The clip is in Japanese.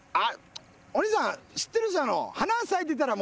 お兄さん知ってるでしょ。